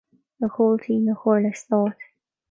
A chomhaltaí na Comhairle Stáit